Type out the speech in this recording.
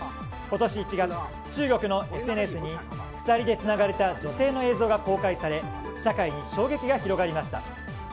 今年１月、中国のＳＮＳに鎖でつながれた女性の映像が公開され社会に衝撃が広がりました。